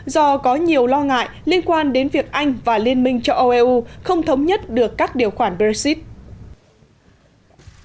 do có nhiều lo ngại liên quan đến việc anh và liên minh cho oeu không thống nhất được các điều khoản brexit